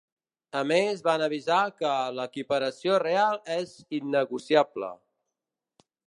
A més, van avisar que ‘l’equiparació real és innegociable’.